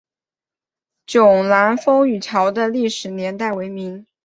迥澜风雨桥的历史年代为明。